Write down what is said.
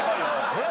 えっ？